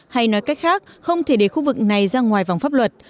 hay nói cách khác không thể để khu vực này ra ngoài vòng pháp luật